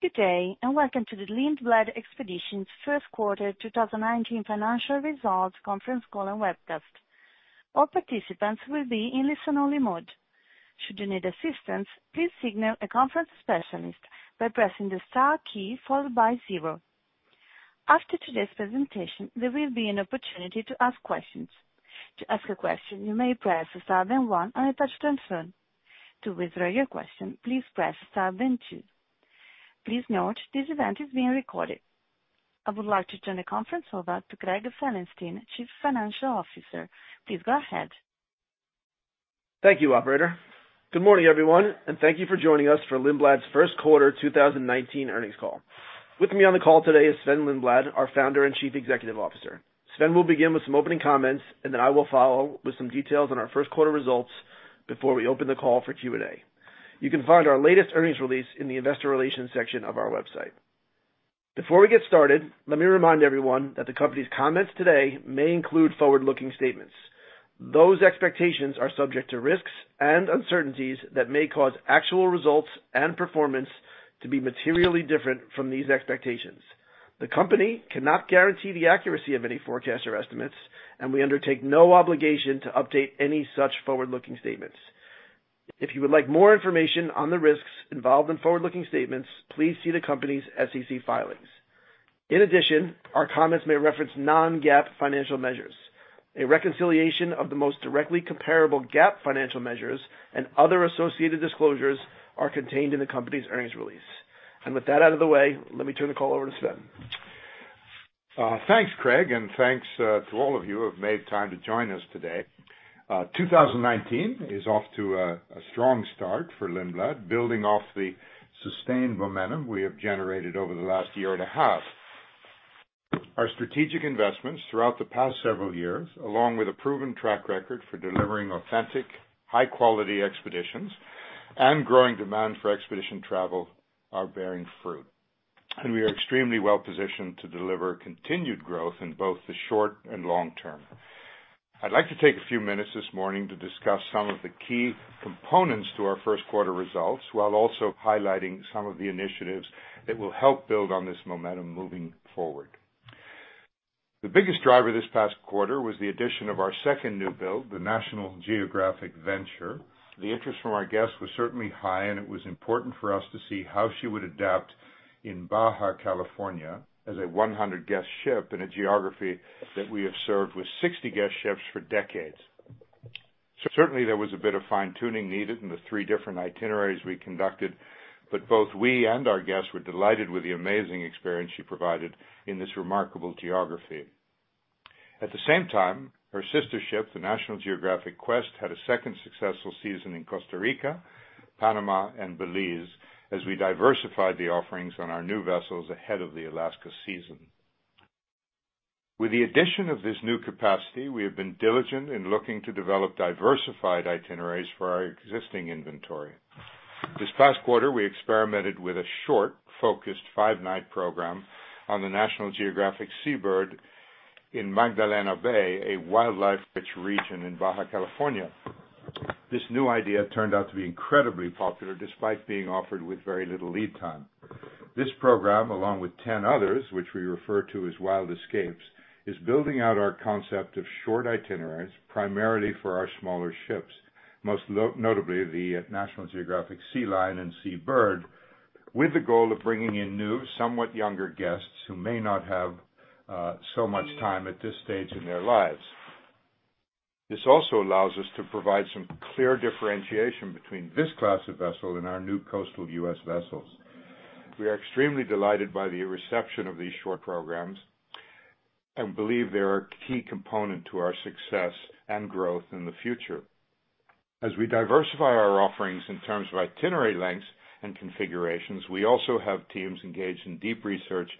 Good day, and welcome to the Lindblad Expeditions first quarter 2019 financial results conference call and webcast. All participants will be in listen-only mode. Should you need assistance, please signal a conference specialist by pressing the star key followed by zero. After today's presentation, there will be an opportunity to ask questions. To ask a question, you may press star then one on a touch-tone phone. To withdraw your question, please press star then two. Please note this event is being recorded. I would like to turn the conference over to Craig Felenstein, Chief Financial Officer. Please go ahead. Thank you, operator. Good morning, everyone, and thank you for joining us for Lindblad's first quarter 2019 earnings call. With me on the call today is Sven-Olof Lindblad, our Founder and Chief Executive Officer. Sven will begin with some opening comments, and then I will follow with some details on our first quarter results before we open the call for Q&A. You can find our latest earnings release in the investor relations section of our website. Before we get started, let me remind everyone that the company's comments today may include forward-looking statements. Those expectations are subject to risks and uncertainties that may cause actual results and performance to be materially different from these expectations. The company cannot guarantee the accuracy of any forecasts or estimates, and we undertake no obligation to update any such forward-looking statements. If you would like more information on the risks involved in forward-looking statements, please see the company's SEC filings. In addition, our comments may reference non-GAAP financial measures. A reconciliation of the most directly comparable GAAP financial measures and other associated disclosures are contained in the company's earnings release. With that out of the way, let me turn the call over to Sven. Thanks, Craig, and thanks to all of you who have made time to join us today. 2019 is off to a strong start for Lindblad, building off the sustained momentum we have generated over the last year and a half. Our strategic investments throughout the past several years, along with a proven track record for delivering authentic, high-quality expeditions and growing demand for expedition travel, are bearing fruit. We are extremely well-positioned to deliver continued growth in both the short and long term. I'd like to take a few minutes this morning to discuss some of the key components to our first quarter results, while also highlighting some of the initiatives that will help build on this momentum moving forward. The biggest driver this past quarter was the addition of our second new build, the National Geographic Venture. The interest from our guests was certainly high, and it was important for us to see how she would adapt in Baja California as a 100-guest ship in a geography that we have served with 60-guest ships for decades. Certainly, there was a bit of fine-tuning needed in the three different itineraries we conducted, but both we and our guests were delighted with the amazing experience she provided in this remarkable geography. At the same time, her sister ship, the National Geographic Quest, had a second successful season in Costa Rica, Panama, and Belize as we diversified the offerings on our new vessels ahead of the Alaska season. With the addition of this new capacity, we have been diligent in looking to develop diversified itineraries for our existing inventory. This past quarter, we experimented with a short, focused five-night program on the National Geographic Sea Bird in Magdalena Bay, a wildlife-rich region in Baja California. This new idea turned out to be incredibly popular, despite being offered with very little lead time. This program, along with 10 others, which we refer to as Wild Escapes, is building out our concept of short itineraries, primarily for our smaller ships, most notably the National Geographic Sea Lion and Sea Bird, with the goal of bringing in new, somewhat younger guests who may not have so much time at this stage in their lives. This also allows us to provide some clear differentiation between this class of vessel and our new coastal U.S. vessels. We are extremely delighted by the reception of these short programs and believe they are a key component to our success and growth in the future. As we diversify our offerings in terms of itinerary lengths and configurations, we also have teams engaged in deep research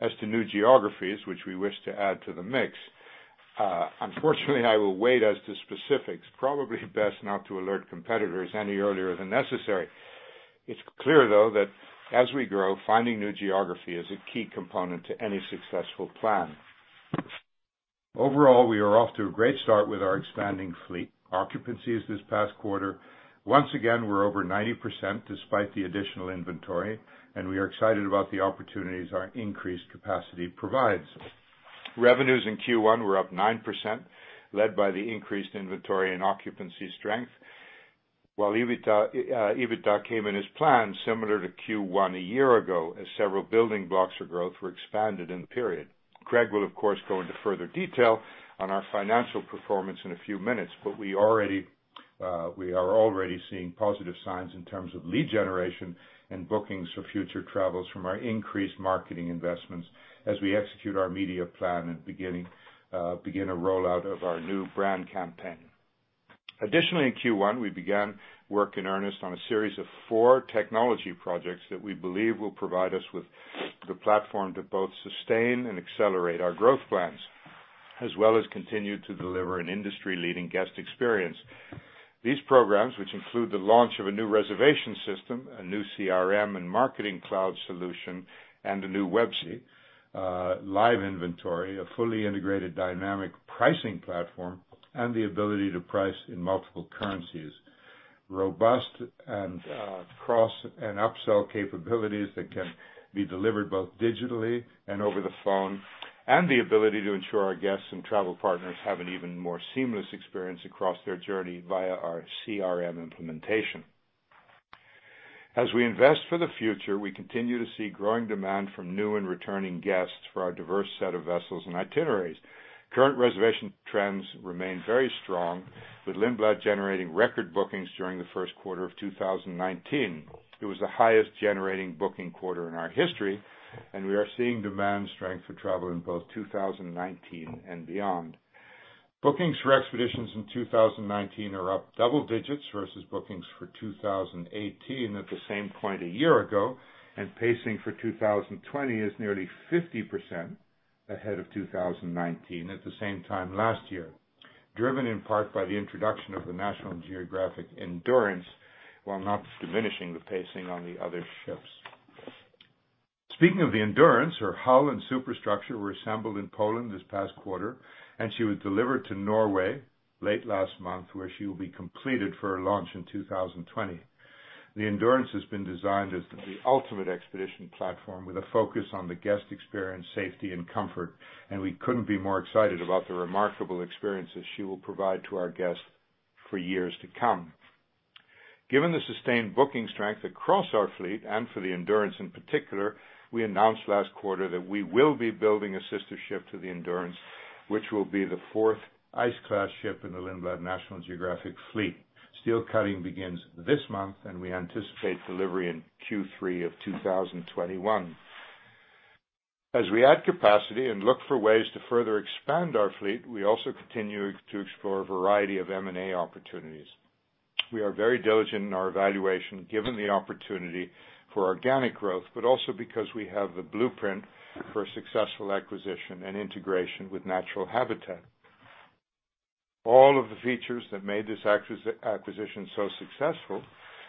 as to new geographies which we wish to add to the mix. Unfortunately, I will wait as to specifics. Probably best not to alert competitors any earlier than necessary. It is clear, though, that as we grow, finding new geography is a key component to any successful plan. Overall, we are off to a great start with our expanding fleet. Occupancies this past quarter, once again, were over 90%, despite the additional inventory, and we are excited about the opportunities our increased capacity provides. Revenues in Q1 were up 9%, led by the increased inventory and occupancy strength. While EBITDA came in as planned, similar to Q1 a year ago, as several building blocks for growth were expanded in the period. Craig will, of course, go into further detail on our financial performance in a few minutes, but we are already seeing positive signs in terms of lead generation and bookings for future travels from our increased marketing investments as we execute our media plan and begin a rollout of our new brand campaign. Additionally, in Q1, we began work in earnest on a series of four technology projects that we believe will provide us with the platform to both sustain and accelerate our growth plans, as well as continue to deliver an industry-leading guest experience. These programs, which include the launch of a new reservation system, a new CRM and marketing cloud solution, and a new website, live inventory, a fully integrated dynamic pricing platform, and the ability to price in multiple currencies. Robust and cross and upsell capabilities that can be delivered both digitally and over the phone, and the ability to ensure our guests and travel partners have an even more seamless experience across their journey via our CRM implementation. As we invest for the future, we continue to see growing demand from new and returning guests for our diverse set of vessels and itineraries. Current reservation trends remain very strong, with Lindblad generating record bookings during the first quarter of 2019. It was the highest-generating booking quarter in our history, and we are seeing demand strength for travel in both 2019 and beyond. Bookings for expeditions in 2019 are up double digits versus bookings for 2018 at the same point a year ago, and pacing for 2020 is nearly 50% ahead of 2019 at the same time last year, driven in part by the introduction of the National Geographic Endurance, while not diminishing the pacing on the other ships. Speaking of the Endurance, her hull and superstructure were assembled in Poland this past quarter, and she was delivered to Norway late last month, where she will be completed for a launch in 2020. The Endurance has been designed as the ultimate expedition platform with a focus on the guest experience, safety, and comfort, and we couldn't be more excited about the remarkable experiences she will provide to our guests for years to come. Given the sustained booking strength across our fleet and for the Endurance in particular, we announced last quarter that we will be building a sister ship to the Endurance, which will be the fourth ice-class ship in the Lindblad National Geographic fleet. Steel cutting begins this month, and we anticipate delivery in Q3 of 2021. As we add capacity and look for ways to further expand our fleet, we also continue to explore a variety of M&A opportunities. We are very diligent in our evaluation given the opportunity for organic growth, but also because we have the blueprint for a successful acquisition and integration with Natural Habitat. All of the features that made this acquisition so successful,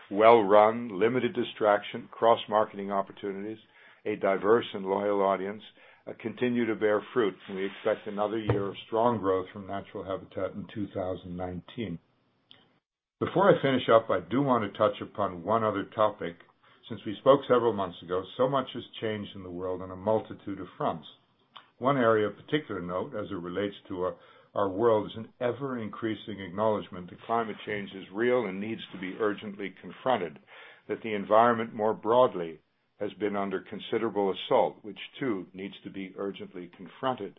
well-run, limited distraction, cross-marketing opportunities, a diverse and loyal audience, continue to bear fruit, and we expect another year of strong growth from Natural Habitat in 2019. Before I finish up, I do want to touch upon one other topic. Since we spoke several months ago, so much has changed in the world on a multitude of fronts. One area of particular note as it relates to our world is an ever-increasing acknowledgment that climate change is real and needs to be urgently confronted. That the environment more broadly has been under considerable assault, which too needs to be urgently confronted.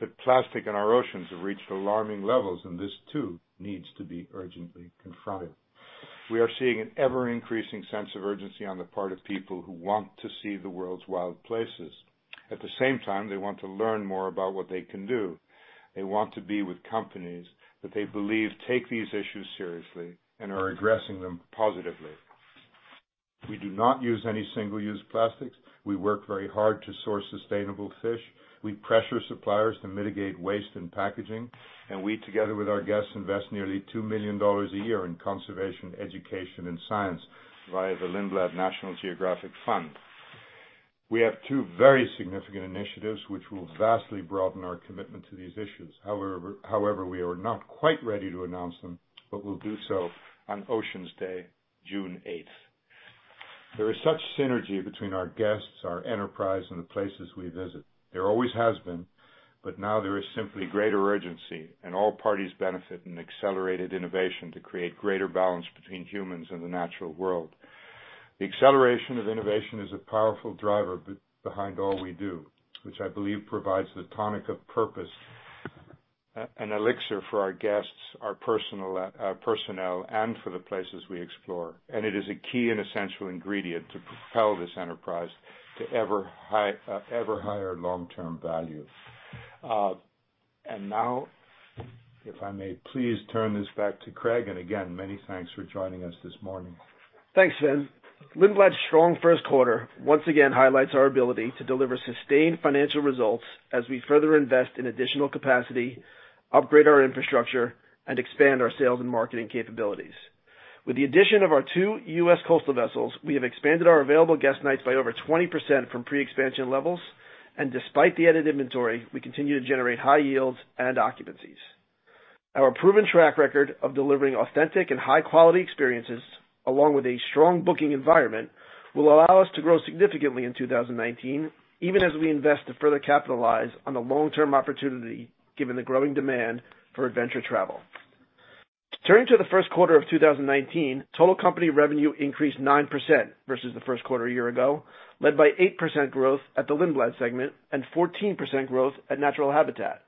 That plastic in our oceans have reached alarming levels, and this too needs to be urgently confronted. We are seeing an ever-increasing sense of urgency on the part of people who want to see the world's wild places. At the same time, they want to learn more about what they can do. They want to be with companies that they believe take these issues seriously and are addressing them positively. We do not use any single-use plastics, we work very hard to source sustainable fish, we pressure suppliers to mitigate waste and packaging, and we, together with our guests, invest nearly $2 million a year in conservation education and science via the Lindblad Expeditions-National Geographic Fund. We have two very significant initiatives which will vastly broaden our commitment to these issues. However, we are not quite ready to announce them, but will do so on World Oceans Day, June 8th. There is such synergy between our guests, our enterprise, and the places we visit. There always has been, but now there is simply greater urgency, and all parties benefit in accelerated innovation to create greater balance between humans and the natural world. The acceleration of innovation is a powerful driver behind all we do, which I believe provides the tonic of purpose, an elixir for our guests, our personnel, and for the places we explore. It is a key and essential ingredient to propel this enterprise to ever higher long-term value. Now, if I may please turn this back to Craig, and again, many thanks for joining us this morning. Thanks, Sven. Lindblad's strong first quarter once again highlights our ability to deliver sustained financial results as we further invest in additional capacity, upgrade our infrastructure, and expand our sales and marketing capabilities. With the addition of our two U.S. coastal vessels, we have expanded our available guest nights by over 20% from pre-expansion levels, and despite the added inventory, we continue to generate high yields and occupancies. Our proven track record of delivering authentic and high-quality experiences, along with a strong booking environment, will allow us to grow significantly in 2019, even as we invest to further capitalize on the long-term opportunity given the growing demand for adventure travel. Turning to the first quarter of 2019, total company revenue increased 9% versus the first quarter a year ago, led by 8% growth at the Lindblad segment and 14% growth at Natural Habitat Adventures.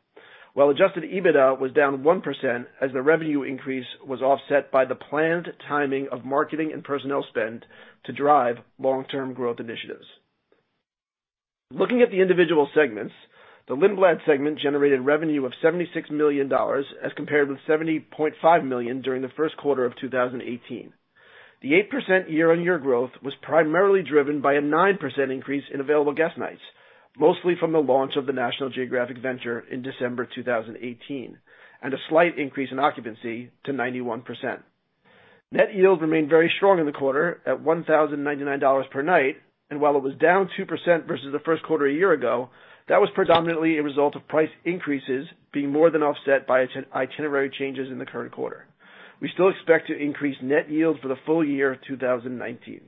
While adjusted EBITDA was down 1% as the revenue increase was offset by the planned timing of marketing and personnel spend to drive long-term growth initiatives. Looking at the individual segments, the Lindblad segment generated revenue of $76 million as compared with $70.5 million during the first quarter of 2018. The 8% year-over-year growth was primarily driven by a 9% increase in available guest nights, mostly from the launch of the National Geographic Venture in December 2018, and a slight increase in occupancy to 91%. Net yields remained very strong in the quarter at $1,099 per night, and while it was down 2% versus the first quarter a year ago, that was predominantly a result of price increases being more than offset by itinerary changes in the current quarter. We still expect to increase net yields for the full year of 2019.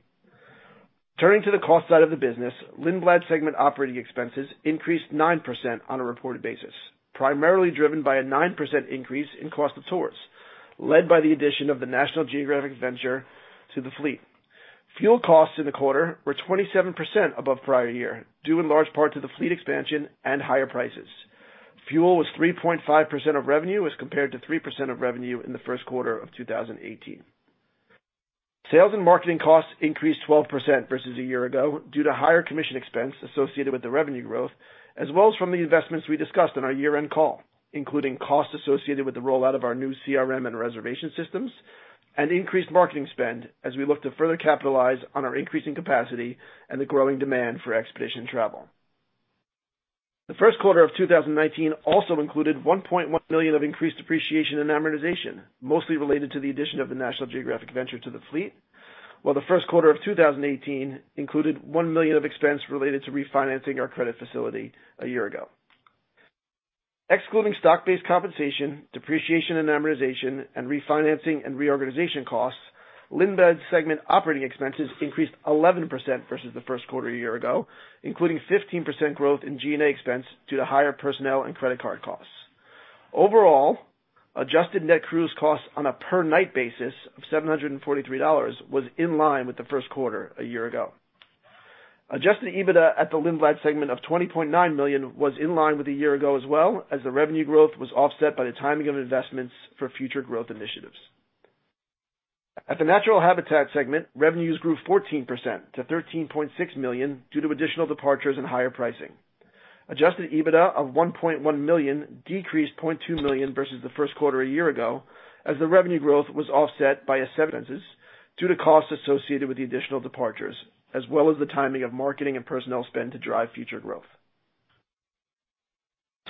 Turning to the cost side of the business, Lindblad segment operating expenses increased 9% on a reported basis, primarily driven by a 9% increase in cost of tours, led by the addition of the National Geographic Venture to the fleet. Fuel costs in the quarter were 27% above prior year, due in large part to the fleet expansion and higher prices. Fuel was 3.5% of revenue as compared to 3% of revenue in the first quarter of 2018. Sales and marketing costs increased 12% versus a year ago due to higher commission expense associated with the revenue growth, as well as from the investments we discussed on our year-end call, including costs associated with the rollout of our new CRM and reservation systems and increased marketing spend as we look to further capitalize on our increasing capacity and the growing demand for expedition travel. The first quarter of 2019 also included $1.1 million of increased depreciation and amortization, mostly related to the addition of the National Geographic Venture to the fleet, while the first quarter of 2018 included $1 million of expense related to refinancing our credit facility a year ago. Excluding stock-based compensation, depreciation and amortization, and refinancing and reorganization costs, Lindblad segment operating expenses increased 11% versus the first quarter a year ago, including 15% growth in G&A expense due to higher personnel and credit card costs. Overall, adjusted net cruise costs on a per-night basis of $743 was in line with the first quarter a year ago. Adjusted EBITDA at the Lindblad segment of $20.9 million was in line with a year ago as well as the revenue growth was offset by the timing of investments for future growth initiatives. At the Natural Habitat segment, revenues grew 14% to $13.6 million due to additional departures and higher pricing. Adjusted EBITDA of $1.1 million decreased $0.2 million versus the first quarter a year ago, as the revenue growth was offset by due to costs associated with the additional departures, as well as the timing of marketing and personnel spend to drive future growth.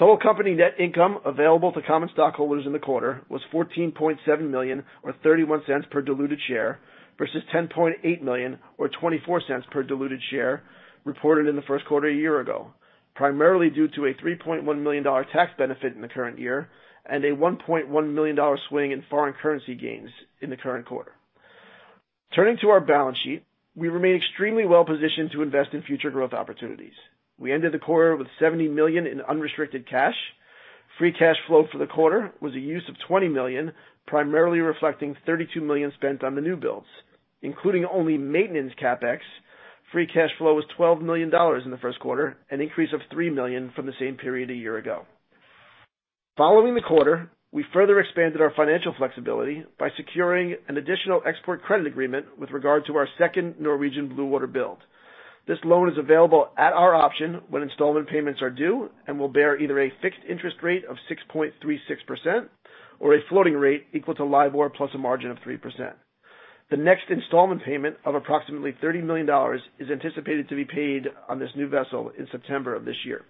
Total company net income available to common stockholders in the quarter was $14.7 million or $0.31 per diluted share, versus $10.8 million or $0.24 per diluted share reported in the first quarter a year ago, primarily due to a $3.1 million tax benefit in the current year and a $1.1 million swing in foreign currency gains in the current quarter. Turning to our balance sheet, we remain extremely well-positioned to invest in future growth opportunities. We ended the quarter with $70 million in unrestricted cash. Free cash flow for the quarter was a use of $20 million, primarily reflecting $32 million spent on the new builds. Including only maintenance CapEx, free cash flow was $12 million in the first quarter, an increase of $3 million from the same period a year ago. Following the quarter, we further expanded our financial flexibility by securing an additional export credit agreement with regard to our second Norwegian Bluewater build. This loan is available at our option when installment payments are due and will bear either a fixed interest rate of 6.36% or a floating rate equal to LIBOR plus a margin of 3%. The next installment payment of approximately $30 million is anticipated to be paid on this new vessel in September of this year.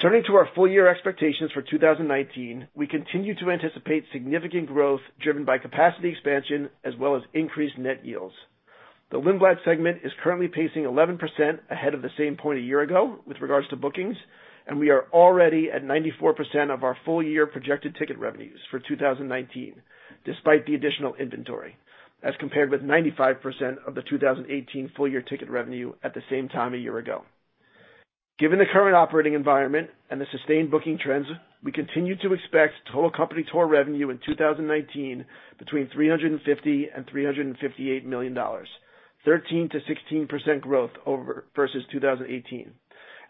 Turning to our full-year expectations for 2019, we continue to anticipate significant growth driven by capacity expansion as well as increased net yields. The Lindblad segment is currently pacing 11% ahead of the same point a year ago with regards to bookings, and we are already at 94% of our full-year projected ticket revenues for 2019, despite the additional inventory, as compared with 95% of the 2018 full-year ticket revenue at the same time a year ago. Given the current operating environment and the sustained booking trends, we continue to expect total company tour revenue in 2019 between $350 million and $358 million, 13%-16% growth versus 2018,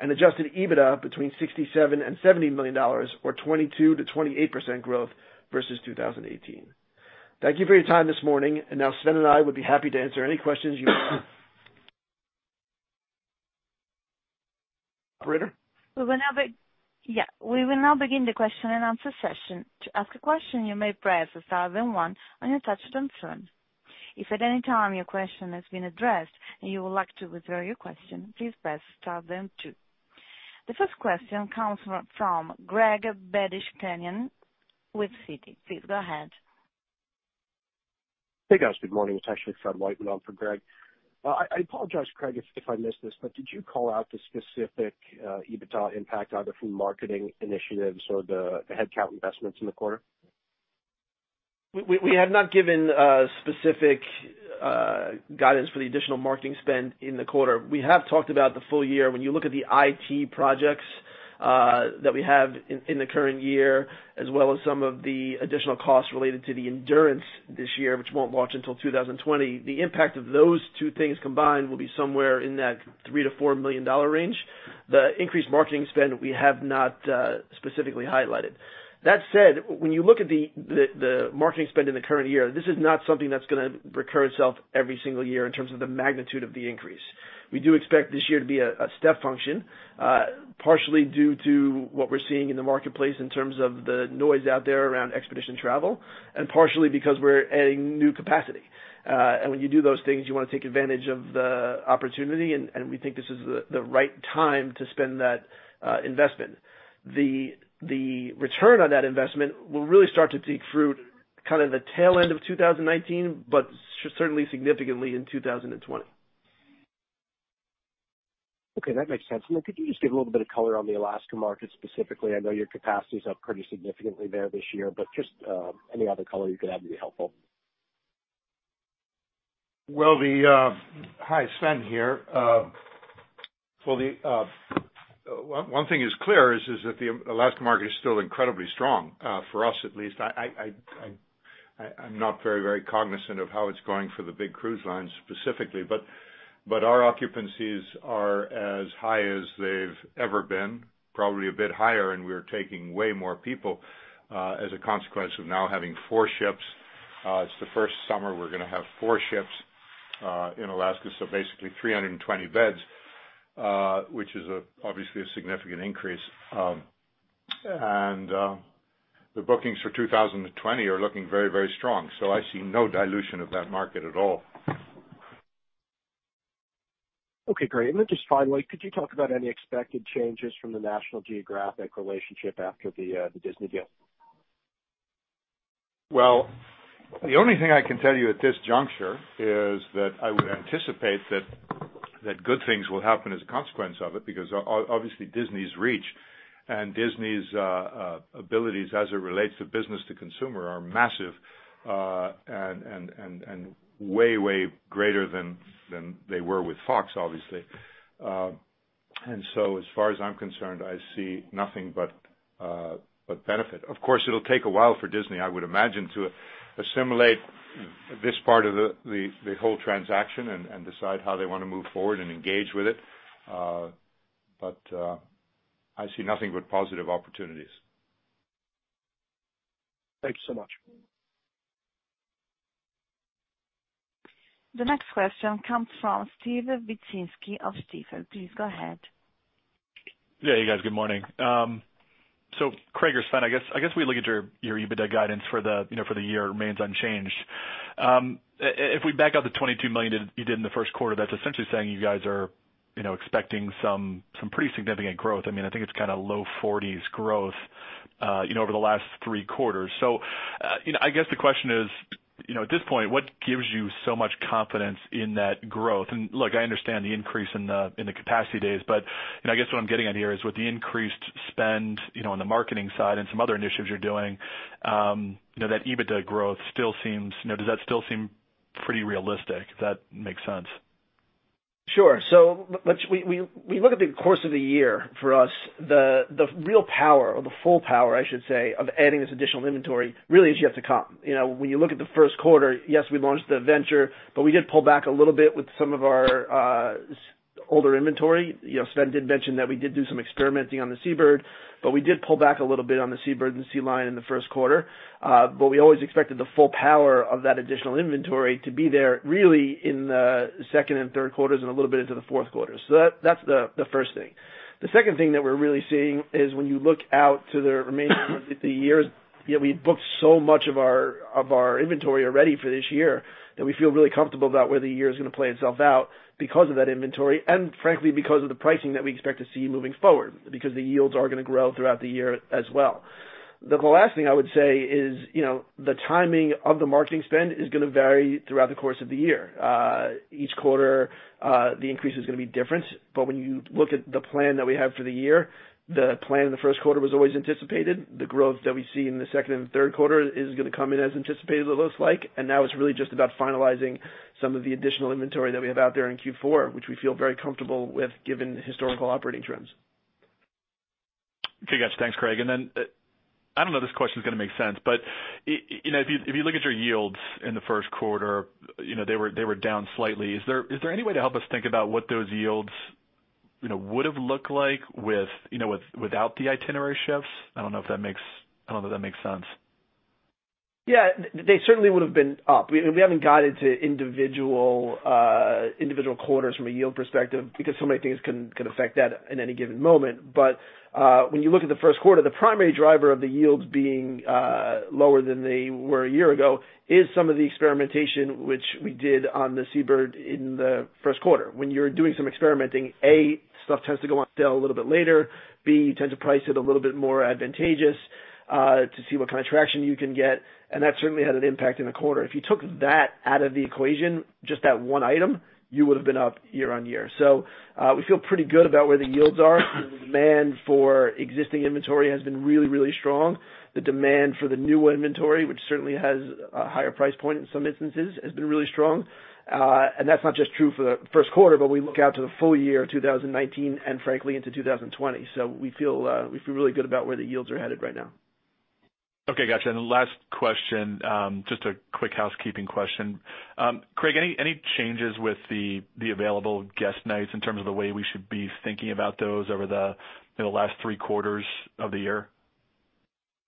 and adjusted EBITDA between $67 million and $70 million, or 22%-28% growth versus 2018. Thank you for your time this morning. Now Sven and I would be happy to answer any questions you have. Operator? We will now begin the question-and-answer session. To ask a question, you may press star then one on your touch-tone phone. If at any time your question has been addressed and you would like to withdraw your question, please press star then two. The first question comes from Craig Badishkanian with Citi. Please go ahead. Hey, guys. Good morning. It's actually Fred Wightman on for Craig. I apologize, Craig, if I missed this, but did you call out the specific EBITDA impact either from marketing initiatives or the headcount investments in the quarter? We have not given specific guidance for the additional marketing spend in the quarter. We have talked about the full year. When you look at the IT projects that we have in the current year, as well as some of the additional costs related to the Endurance this year, which won't launch until 2020, the impact of those two things combined will be somewhere in that $3 million to $4 million range. The increased marketing spend, we have not specifically highlighted. That said, when you look at the marketing spend in the current year, this is not something that's gonna recur itself every single year in terms of the magnitude of the increase. We do expect this year to be a step function, partially due to what we're seeing in the marketplace in terms of the noise out there around expedition travel, and partially because we're adding new capacity. When you do those things, you want to take advantage of the opportunity, and we think this is the right time to spend that investment. The return on that investment will really start to take fruit kind of the tail end of 2019, but certainly significantly in 2020. Okay, that makes sense. Could you just give a little bit of color on the Alaska market specifically? I know your capacity is up pretty significantly there this year, but just any other color you could add would be helpful. Hi. Sven here. One thing is clear is that the Alaska market is still incredibly strong, for us at least. I'm not very cognizant of how it's going for the big cruise lines specifically, but our occupancies are as high as they've ever been, probably a bit higher, and we are taking way more people as a consequence of now having four ships. It's the first summer we're going to have four ships in Alaska, so basically 320 beds, which is obviously a significant increase. The bookings for 2020 are looking very strong. I see no dilution of that market at all. Okay, great. Just finally, could you talk about any expected changes from the National Geographic relationship after the Disney deal? Well, the only thing I can tell you at this juncture is that I would anticipate that good things will happen as a consequence of it, because obviously Disney's reach and Disney's abilities as it relates to business to consumer are massive, and way greater than they were with Fox, obviously. As far as I'm concerned, I see nothing but benefit. Of course, it'll take a while for Disney, I would imagine, to assimilate this part of the whole transaction and decide how they want to move forward and engage with it. I see nothing but positive opportunities. Thanks so much. The next question comes from Steven Wieczynski of Stifel. Please go ahead. Good morning. Craig or Sven, I guess we look at your EBITDA guidance for the year remains unchanged. If we back out the $22 million that you did in the first quarter, that is essentially saying you guys are expecting some pretty significant growth. I think it is low 40s growth over the last three quarters. I guess the question is, at this point, what gives you so much confidence in that growth? Look, I understand the increase in the capacity days, but I guess what I am getting at here is with the increased spend on the marketing side and some other initiatives you are doing, that EBITDA growth, does that still seem pretty realistic? If that makes sense. Sure. We look at the course of the year for us, the real power or the full power, I should say, of adding this additional inventory really is yet to come. When you look at the first quarter, yes, we launched the Venture, but we did pull back a little bit with some of our older inventory. Sven did mention that we did do some experimenting on the Sea Bird, but we did pull back a little bit on the Sea Bird and Sea Lion in the first quarter. We always expected the full power of that additional inventory to be there really in the second and third quarters and a little bit into the fourth quarter. That is the first thing. The second thing that we are really seeing is when you look out to the remainder of the year, we booked so much of our inventory already for this year that we feel really comfortable about where the year is going to play itself out because of that inventory, and frankly, because of the pricing that we expect to see moving forward, because the yields are going to grow throughout the year as well. The last thing I would say is the timing of the marketing spend is going to vary throughout the course of the year. Each quarter, the increase is going to be different. When you look at the plan that we have for the year, the plan in the first quarter was always anticipated. The growth that we see in the second and third quarter is going to come in as anticipated, it looks like. Now it is really just about finalizing some of the additional inventory that we have out there in Q4, which we feel very comfortable with given historical operating trends. Okay, got you. Thanks, Craig. I don't know if this question is going to make sense, but if you look at your yields in the first quarter, they were down slightly. Is there any way to help us think about what those yields would've looked like without the itinerary shifts? I don't know if that makes sense. Yeah. They certainly would've been up. We haven't guided to individual quarters from a yield perspective because so many things can affect that in any given moment. When you look at the first quarter, the primary driver of the yields being lower than they were a year ago is some of the experimentation which we did on the Sea Bird in the first quarter. When you're doing some experimenting, A, stuff tends to go on sale a little bit later, B, you tend to price it a little bit more advantageous to see what kind of traction you can get, and that certainly had an impact in the quarter. If you took that out of the equation, just that one item, you would've been up year-on-year. We feel pretty good about where the yields are. The demand for existing inventory has been really strong. The demand for the new inventory, which certainly has a higher price point in some instances, has been really strong. That's not just true for the first quarter, but we look out to the full year 2019 and frankly, into 2020. We feel really good about where the yields are headed right now. Okay, got you. The last question, just a quick housekeeping question. Craig, any changes with the available guest nights in terms of the way we should be thinking about those over the last three quarters of the year?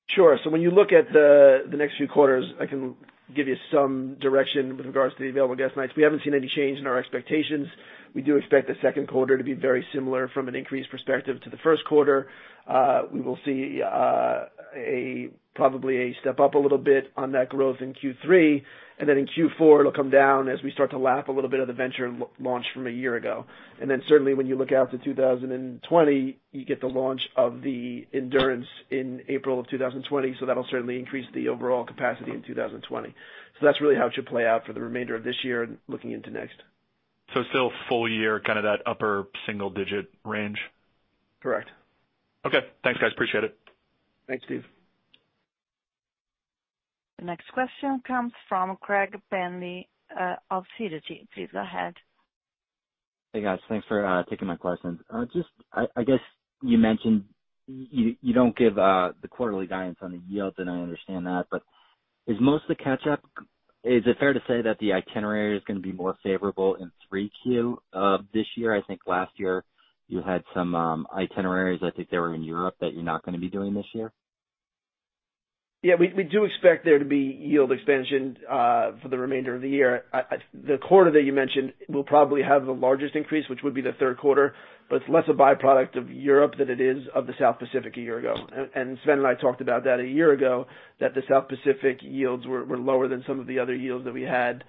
Sure. When you look at the next few quarters, I can give you some direction with regards to the available guest nights. We haven't seen any change in our expectations. We do expect the second quarter to be very similar from an increase perspective to the first quarter. We will see probably a step up a little bit on that growth in Q3, then in Q4, it'll come down as we start to lap a little bit of the Venture launch from a year ago. Certainly when you look out to 2020, you get the launch of the Endurance in April of 2020. That'll certainly increase the overall capacity in 2020. That's really how it should play out for the remainder of this year and looking into next. Still full year, that upper single-digit range? Correct. Okay. Thanks, guys. Appreciate it. Thanks, Steve. The next question comes from Craig Bentley, of Citi. Please go ahead. Hey, guys. Thanks for taking my questions. I guess you mentioned you don't give the quarterly guidance on the yield, and I understand that, but is it fair to say that the itinerary is going to be more favorable in 3Q of this year? I think last year you had some itineraries, I think they were in Europe, that you're not going to be doing this year. Yeah, we do expect there to be yield expansion for the remainder of the year. The quarter that you mentioned will probably have the largest increase, which would be the third quarter, but it's less a byproduct of Europe than it is of the South Pacific a year ago. Sven and I talked about that a year ago, that the South Pacific yields were lower than some of the other yields that we had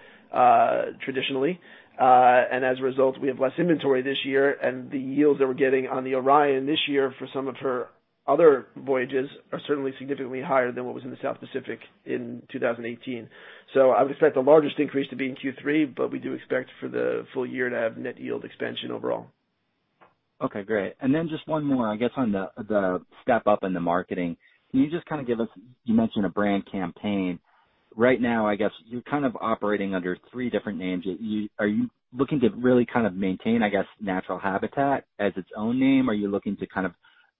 traditionally. As a result, we have less inventory this year, and the yields that we're getting on the Orion this year for some of her other voyages are certainly significantly higher than what was in the South Pacific in 2018. I would expect the largest increase to be in Q3, but we do expect for the full year to have net yield expansion overall. Okay, great. Then just one more, I guess, on the step up in the marketing. You mentioned a brand campaign. Right now, I guess, you're kind of operating under three different names. Are you looking to really kind of maintain, I guess, Natural Habitat as its own name? Are you looking to kind of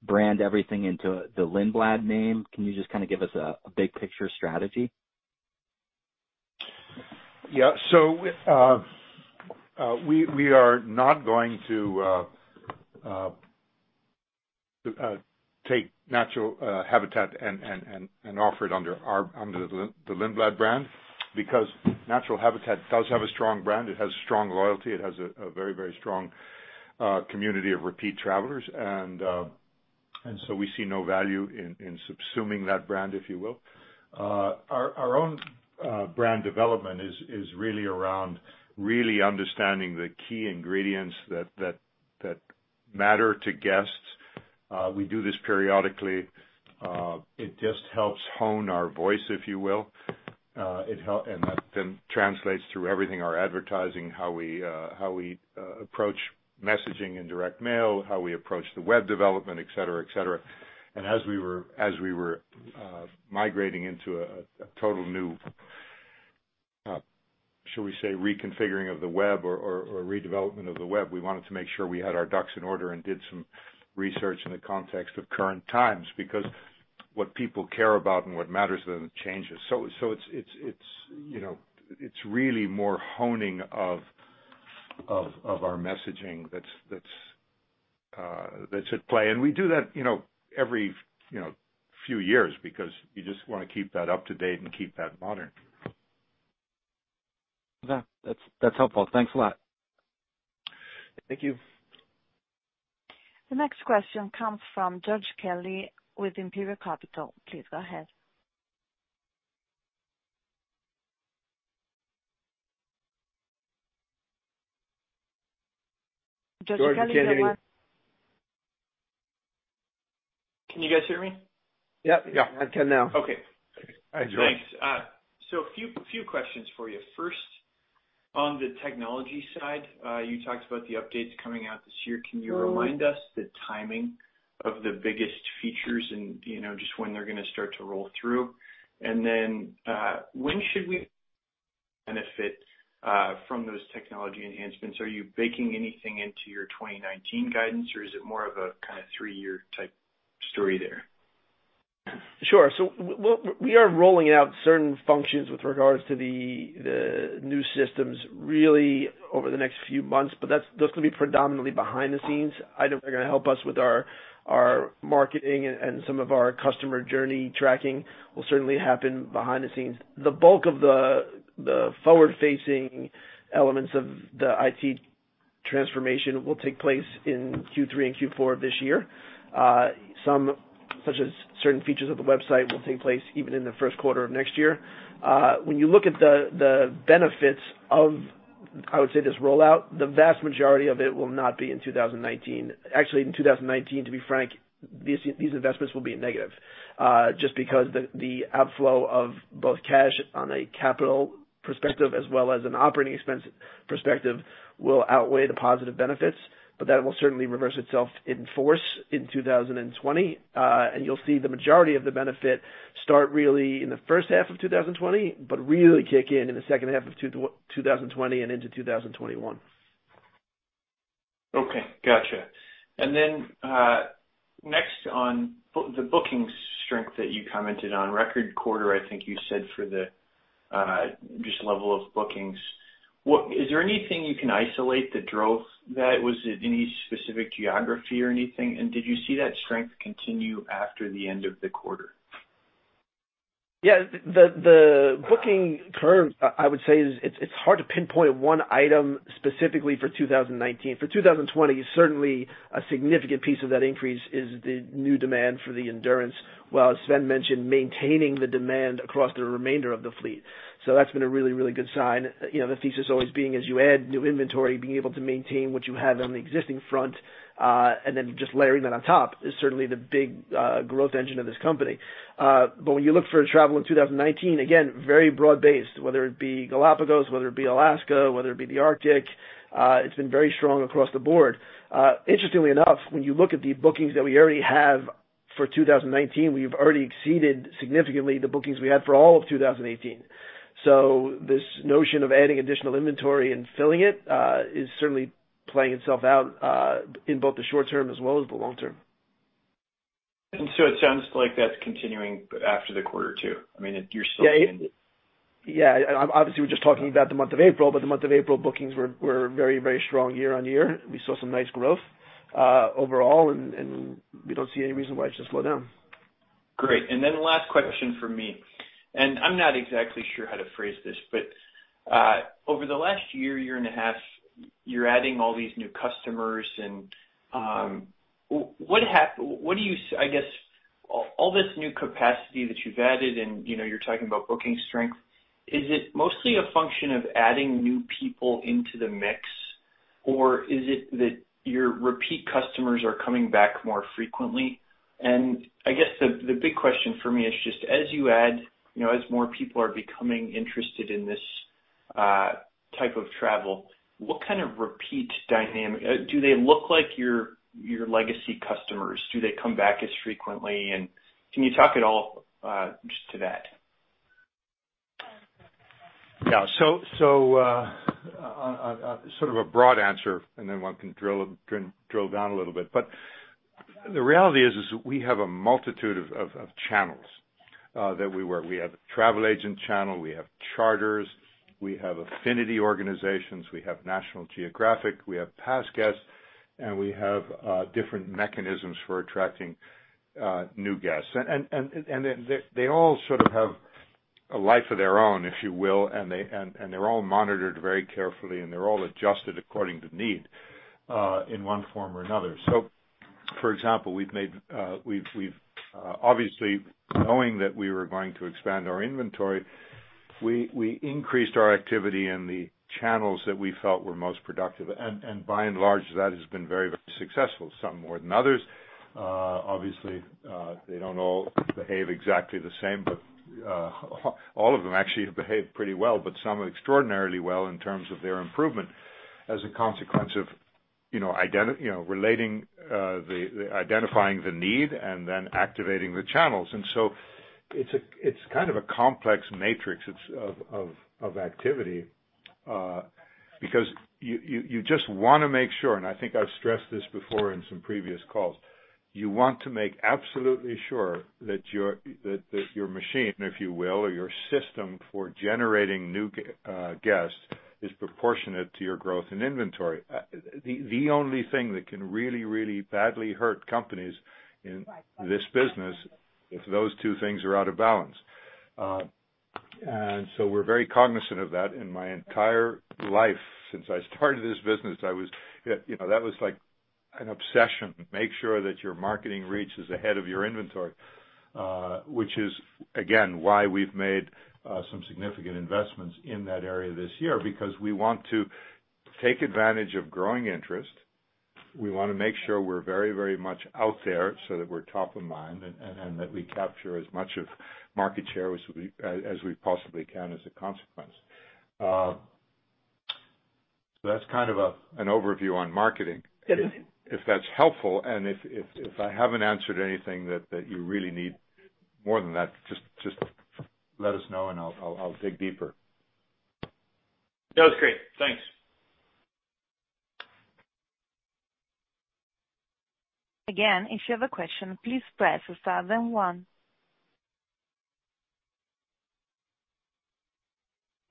brand everything into the Lindblad name? Can you just kind of give us a big picture strategy? Yeah. We are not going to take Natural Habitat and offer it under the Lindblad brand because Natural Habitat does have a strong brand. It has strong loyalty. It has a very strong community of repeat travelers. We see no value in subsuming that brand, if you will. Our own brand development is really around really understanding the key ingredients that matter to guests. We do this periodically. It just helps hone our voice, if you will, and that then translates through everything, our advertising, how we approach messaging in direct mail, how we approach the web development, et cetera. As we were migrating into a total new, shall we say, reconfiguring of the web or redevelopment of the web, we wanted to make sure we had our ducks in order and did some research in the context of current times, because what people care about and what matters to them changes. It's really more honing of our messaging that's at play. We do that every few years because you just want to keep that up to date and keep that modern. That's helpful. Thanks a lot. Thank you. The next question comes from George Kelly with Imperial Capital. Please go ahead. George, are you there? Can you guys hear me? Yep. Yeah. I can now. Hi, George. Thanks. A few questions for you. First, on the technology side, you talked about the updates coming out this year. Can you remind us the timing of the biggest features and just when they're going to start to roll through? When should we benefit from those technology enhancements? Are you baking anything into your 2019 guidance, or is it more of a kind of three-year type story there? Sure. We are rolling out certain functions with regards to the new systems really over the next few months, but that's going to be predominantly behind the scenes. Items that are going to help us with our marketing and some of our customer journey tracking will certainly happen behind the scenes. The bulk of the forward-facing elements of the IT transformation will take place in Q3 and Q4 of this year. Some, such as certain features of the website, will take place even in the first quarter of next year. When you look at the benefits of, I would say, this rollout, the vast majority of it will not be in 2019. Actually, in 2019, to be frank, these investments will be negative, just because the outflow of both cash on a capital perspective as well as an operating expense perspective will outweigh the positive benefits. That will certainly reverse itself in force in 2020. You'll see the majority of the benefit start really in the first half of 2020, but really kick in in the second half of 2020 and into 2021. Okay. Got you. Next on the bookings strength that you commented on. Record quarter, I think you said, for just the level of bookings. Is there anything you can isolate that drove that? Was it any specific geography or anything? Did you see that strength continue after the end of the quarter? Yeah. The booking curve, I would say it's hard to pinpoint one item specifically for 2019. For 2020, certainly a significant piece of that increase is the new demand for the Endurance, while as Sven mentioned, maintaining the demand across the remainder of the fleet. That's been a really good sign. The thesis always being as you add new inventory, being able to maintain what you have on the existing front, and then just layering that on top is certainly the big growth engine of this company. When you look for travel in 2019, again, very broad-based, whether it be Galapagos, whether it be Alaska, whether it be the Arctic, it's been very strong across the board. Interestingly enough, when you look at the bookings that we already have for 2019, we've already exceeded significantly the bookings we had for all of 2018. This notion of adding additional inventory and filling it is certainly playing itself out in both the short term as well as the long term. It sounds like that's continuing after the quarter too. I mean, you're still seeing. Yeah. Obviously, we're just talking about the month of April, but the month of April bookings were very strong year-over-year. We saw some nice growth overall, and we don't see any reason why it should slow down. Great. Last question from me, I'm not exactly sure how to phrase this, over the last year and a half, you're adding all these new customers, all this new capacity that you've added and you're talking about booking strength, is it mostly a function of adding new people into the mix, or is it that your repeat customers are coming back more frequently? I guess the big question for me is just as you add, as more people are becoming interested in this type of travel, what kind of repeat dynamic? Do they look like your legacy customers? Do they come back as frequently? Can you talk at all just to that? Sort of a broad answer and then one can drill down a little bit. The reality is we have a multitude of channels that we work. We have a travel agent channel, we have charters, we have affinity organizations, we have National Geographic, we have past guests, and we have different mechanisms for attracting new guests. They all sort of have a life of their own, if you will, and they're all monitored very carefully, and they're all adjusted according to need, in one form or another. For example, we've obviously, knowing that we were going to expand our inventory, we increased our activity in the channels that we felt were most productive. By and large, that has been very successful, some more than others. Obviously, they don't all behave exactly the same, but all of them actually have behaved pretty well, but some extraordinarily well in terms of their improvement as a consequence of identifying the need and then activating the channels. It's kind of a complex matrix of activity, because you just want to make sure, and I think I've stressed this before in some previous calls, you want to make absolutely sure that your machine, if you will, or your system for generating new guests is proportionate to your growth in inventory. The only thing that can really badly hurt companies in this business is if those two things are out of balance. We're very cognizant of that. In my entire life, since I started this business, that was like an obsession. Make sure that your marketing reach is ahead of your inventory. Which is, again, why we've made some significant investments in that area this year, because we want to take advantage of growing interest. We want to make sure we're very much out there so that we're top of mind, and that we capture as much of market share as we possibly can as a consequence. That's kind of an overview on marketing. It is. If that's helpful, if I haven't answered anything that you really need more than that, just let us know and I'll dig deeper. That was great. Thanks. Again, if you have a question, please press star then one.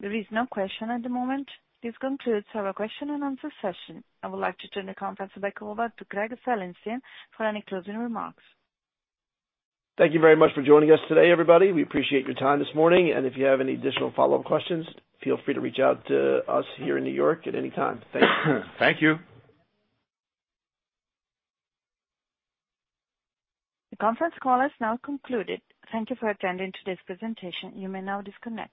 There is no question at the moment. This concludes our question and answer session. I would like to turn the conference back over to Craig Silensian for any closing remarks. Thank you very much for joining us today, everybody. We appreciate your time this morning, and if you have any additional follow-up questions, feel free to reach out to us here in New York at any time. Thank you. Thank you. The conference call has now concluded. Thank you for attending today's presentation. You may now disconnect.